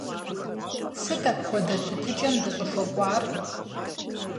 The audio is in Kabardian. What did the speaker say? Сыт апхуэдэ щытыкӀэм дыщӀыхуэкӀуар?